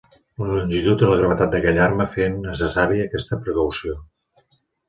La longitud i la gravetat d'aquella arma feien necessària aquesta precaució.